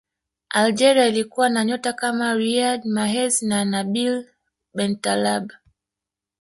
algeria ilikuwa na nyota kama riyad mahrez na nabil bentaleb